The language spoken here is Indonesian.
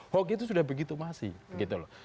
hoki itu sudah begitu masih begitu loh